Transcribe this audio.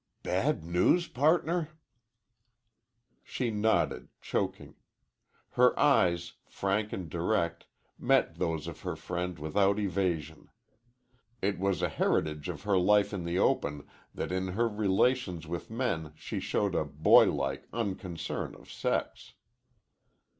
"Bad news, pardner?" She nodded, choking. Her eyes, frank and direct, met those of her friend without evasion. It was a heritage of her life in the open that in her relations with men she showed a boylike unconcern of sex.